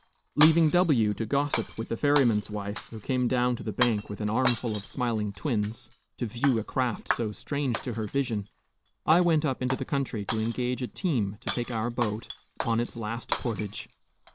Leaving W to gossip with the ferryman's wife, who came down to the bank with an armful of smiling twins, to view a craft so strange to her vision, I went up into the country to engage a team to take our boat upon its last portage.